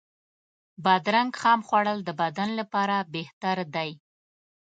بادرنګ خام خوړل د بدن لپاره بهتر دی.